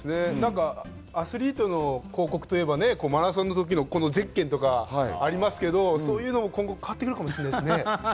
アスリートの広告といえば、マラソンの時のゼッケンとかありますけど、そういうのも今後変わってくるかもしれませんね。